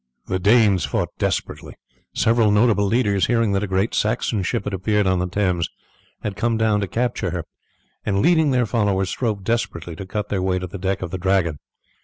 The Danes fought desperately. Several notable leaders, hearing that a great Saxon ship had appeared on the Thames, had come down to capture her, and leading their followers, strove desperately to cut their way to the deck of the Dragon.